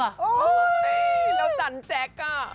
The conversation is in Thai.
โอ้ยเราจันทร์แจ๊กอ่า